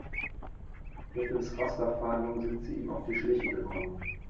Mittels Rasterfahndung sind sie ihm auf die Schliche gekommen.